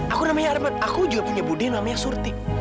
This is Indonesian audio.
aku namanya arman aku juga punya budi namanya surti